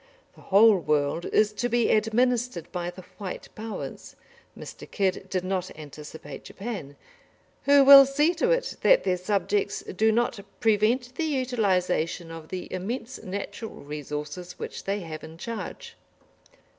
The whole world is to be administered by the "white" Powers Mr. Kidd did not anticipate Japan who will see to it that their subjects do not "prevent the utilisation of the immense natural resources which they have in charge."